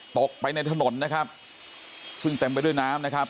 ตกไปในถนนนะครับซึ่งเต็มไปด้วยน้ำนะครับ